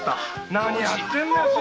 何やってんだよ！